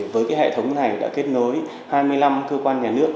với cái hệ thống này đã kết nối hai mươi năm cơ quan nhà nước